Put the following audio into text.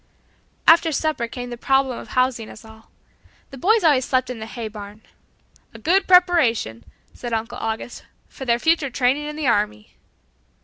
After supper came the problem of housing us all. The boys always slept in the hay barn. "A good preparation," said Uncle August, "for their future training in the army."